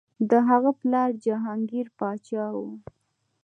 د هغه پلار جهانګیر پادشاه و.